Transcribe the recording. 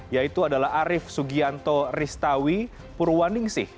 yaitu adalah arief sugianto ristawi purwaningsih